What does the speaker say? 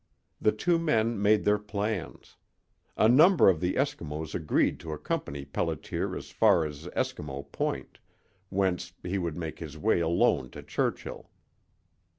The two men made their plans. A number of the Eskimos agreed to accompany Pelliter as far as Eskimo Point, whence he would make his way alone to Churchill.